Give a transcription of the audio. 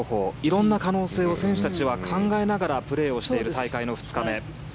色んな可能性を選手たちは考えながらプレーをしている大会の２日目。